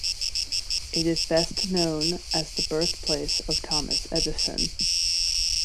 It is best known as the birthplace of Thomas Edison.